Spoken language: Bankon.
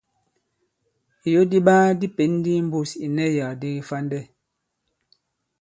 Ìyo di iɓaa di pěn ndi i mbūs ì ìnɛsyàk di kifandɛ.